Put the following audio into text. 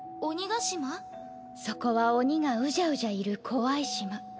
そこは鬼がうじゃうじゃいる怖い島。